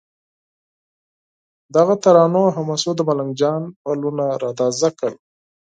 دغو ترانو او حماسو د ملنګ جان پلونه را تازه کړل.